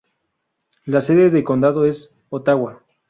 La sede de condado es Ottawa.